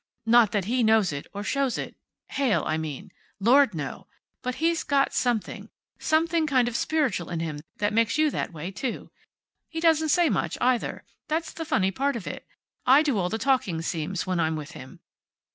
Not that he knows it, or shows it. Heyl, I mean. Lord, no! But he's got something something kind of spiritual in him that makes you that way, too. He doesn't say much, either. That's the funny part of it. I do all the talking, seems, when I'm with him.